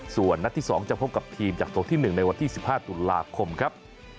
ส่วนนัดที่๒จะพบกับทีมจากตัวที่๑ในวันที่๑๕ตุลาคมครับ